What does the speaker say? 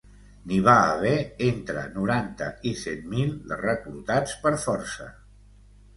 N'hi va haver entre noranta i cent mil de reclutats per força.